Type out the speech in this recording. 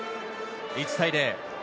１対０。